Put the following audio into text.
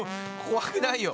怖くないよ。